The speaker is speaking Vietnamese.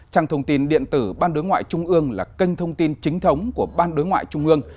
trang thông tin điện tử ban đối ngoại trung ương là kênh thông tin chính thống của ban đối ngoại trung ương